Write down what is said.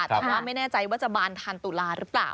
แต่ว่าไม่แน่ใจว่าจะบานทันตุลาหรือเปล่า